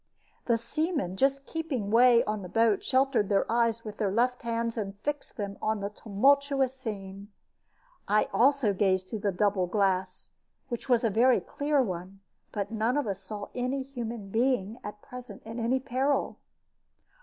The seamen, just keeping way on the boat, sheltered their eyes with their left hands, and fixed them on the tumultuous scene. I also gazed through the double glass, which was a very clear one; but none of us saw any human being at present in any peril.